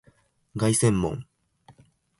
凱旋門